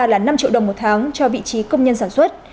là năm triệu đồng một tháng cho vị trí công nhân sản xuất